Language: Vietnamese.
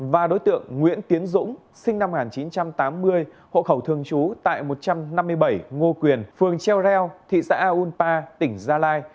và đối tượng nguyễn tiến dũng sinh năm một nghìn chín trăm tám mươi hộ khẩu thường trú tại một trăm năm mươi bảy ngô quyền phường treo reo thị xã unpa tỉnh gia lai